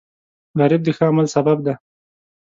غریب د ښه عمل سبب دی